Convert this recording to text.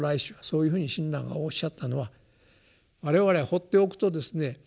そういうふうに親鸞がおっしゃったのは我々放っておくとですね